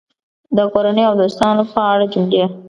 د کورنۍ او دوستانو په اړه جملې